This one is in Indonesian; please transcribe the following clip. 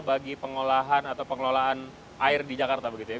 bagi pengolahan atau pengelolaan air di jakarta begitu ya